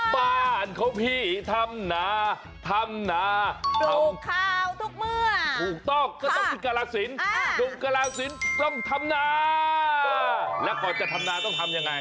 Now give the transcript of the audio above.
บ้านของพี่ธำนาธำนา